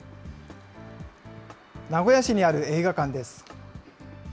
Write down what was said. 名古屋市にある映画館です。